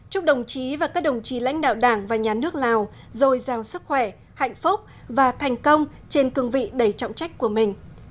chúc đồng chí và các đồng chí lãnh đạo đảng và nhà nước lào dồi dào sức khỏe hạnh phúc và thành công trên cương vị đầy trọng trách của mình